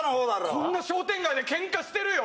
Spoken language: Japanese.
こんな商店街でけんかしてるよ